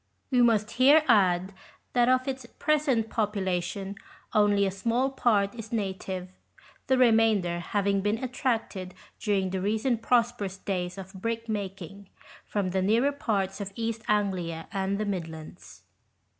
We must here add that of its present population only a small part is native, the remainder having been attracted during the recent pros perous days of brickmaking, from the nearer parts of East Anglia and the Midlands.